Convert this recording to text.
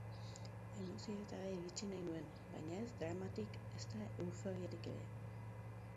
Emozioetara iritsi nahi nuen, baina ez dramatik ezta euforiatik ere.